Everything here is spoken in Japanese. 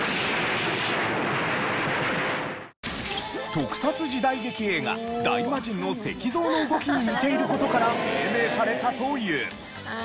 特撮時代劇映画『大魔神』の石像の動きに似ている事から命名されたという。